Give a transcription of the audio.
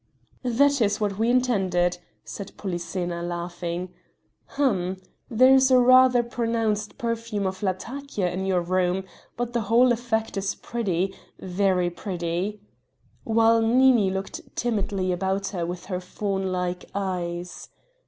"That is what we intended," said Polyxena laughing. "Hum! there is a rather pronounced perfume of latakia in your room but the whole effect is pretty, very pretty," while Nini looked timidly about her with her fawn like eyes.